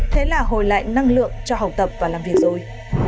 thế là hồi lại năng lượng cho học tập và làm việc rồi